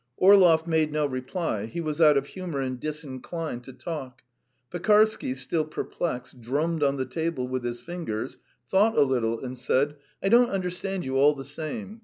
Orlov made no reply. He was out of humour and disinclined to talk. Pekarsky, still perplexed, drummed on the table with his fingers, thought a little, and said: "I don't understand you, all the same.